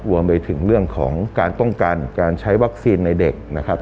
รวมไปถึงเรื่องของการป้องกันการใช้วัคซีนในเด็กนะครับ